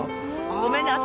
ごめんね。